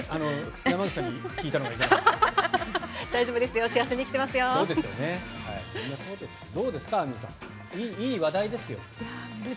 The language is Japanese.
山口さんに聞いたのがいけなかった。